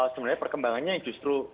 sebenarnya perkembangannya yang justru